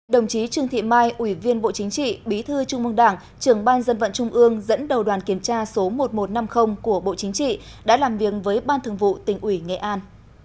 đồng chí trương thị mai ủy viên bộ chính trị bí thư trung mương đảng trưởng ban dân vận trung ương dẫn đầu đoàn kiểm tra số một nghìn một trăm năm mươi của bộ chính trị đã làm việc với ban thường vụ tỉnh ủy nghệ an